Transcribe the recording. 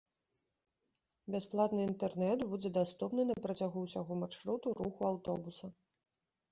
Бясплатны інтэрнэт будзе даступны на працягу ўсяго маршруту руху аўтобуса.